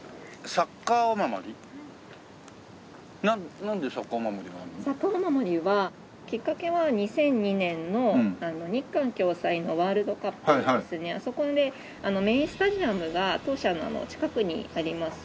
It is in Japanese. サッカー御守はきっかけは２００２年の日韓共催のワールドカップですねあそこでメインスタジアムが当社の近くにあります